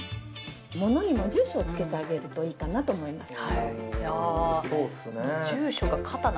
物にも住所をつけてあげるといいかなと思います。